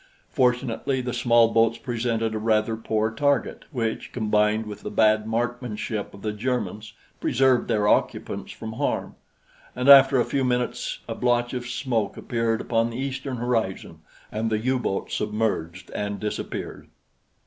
Fortunately the small boats presented a rather poor target, which, combined with the bad marksmanship of the Germans preserved their occupants from harm; and after a few minutes a blotch of smoke appeared upon the eastern horizon and the U boat submerged and disappeared.